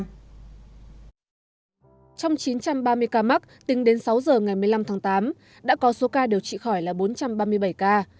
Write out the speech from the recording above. trong chín trăm ba mươi ca mắc tính đến sáu giờ ngày một mươi năm tháng tám đã có số ca điều trị khỏi là bốn trăm ba mươi bảy ca